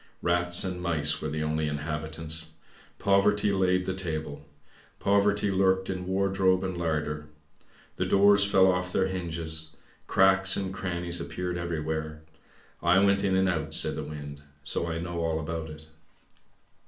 Rats and mice were the only inhabitants. Poverty laid the table; poverty lurked in wardrobe and larder. The doors fell off their hinges, cracks and crannies appeared everywhere, I went in and out," said the wind, " so I know all about it."